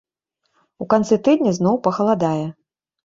У канцы тыдня зноў пахаладае.